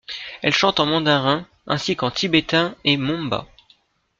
Elle chante en mandarin, ainsi qu'en tibétain et monba.